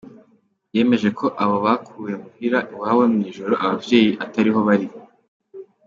Yemeje ko abo bakuwe muhira iwabo mw'ijoro, abavyeyi atariho bari.